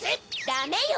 ダメよ！